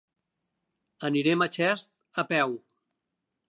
Anirem a Xest a peu.